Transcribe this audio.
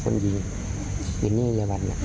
พอมันเปิดประตูลงรถ